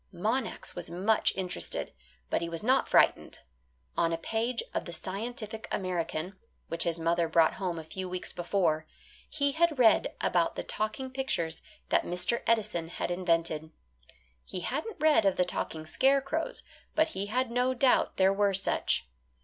Monax was much interested, but he was not frightened. On a page of the "Scientific American," which his mother brought home a few weeks before, he had read about the talking pictures that Mr. Edison had invented. He hadn't read of the talking scarecrows, but he had no doubt there were such.